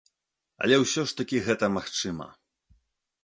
Але ўсё ж такі гэта магчыма.